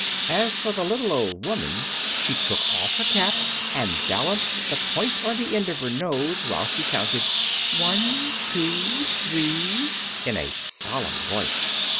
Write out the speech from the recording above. As for the little old woman, she took off her cap and balanced the point on the end of her nose, while she counted "One, two, three" in a solemn voice.